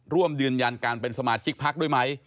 ร่วมยืนยันการเป็นสมาชิกพักด้วยไหม